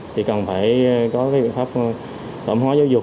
thì cần phải có các biện pháp tổng hóa giáo dục